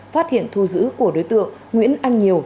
phát hiện thu giữ của đối tượng nguyễn anh nhiều